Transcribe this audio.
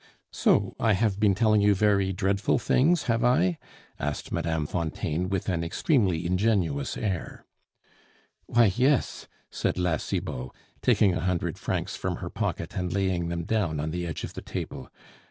"So I have been telling you very dreadful things, have I?" asked Mme. Fontaine, with an extremely ingenuous air. "Why, yes!" said La Cibot, taking a hundred francs from her pocket and laying them down on the edge of the table.